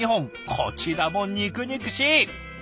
こちらも肉々しい！